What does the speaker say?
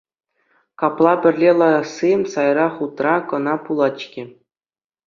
Капла пӗрле ларасси сайра хутра кӑна пулать-ҫке.